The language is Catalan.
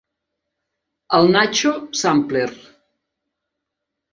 El Nacho Sampler.